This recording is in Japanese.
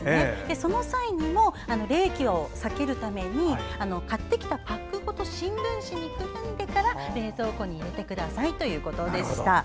その際にも、冷気を避けるために買ってきたパックごと新聞紙にくるんでから冷蔵庫に入れてくださいということでした。